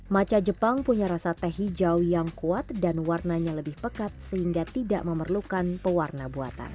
maca jepang punya rasa teh hijau yang kuat dan warnanya lebih pekat sehingga tidak memerlukan pewarna buatan